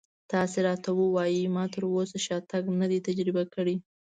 تاسې راته ووایئ ما تراوسه شاتګ نه دی تجربه کړی.